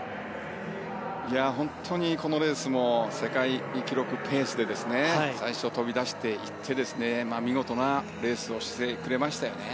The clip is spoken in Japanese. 本当に、このレースも世界記録ペースで最初、飛び出していって見事なレースをしてくれました。